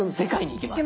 行きます。